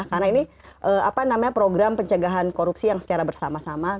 karena ini apa namanya program pencegahan korupsi yang secara bersama sama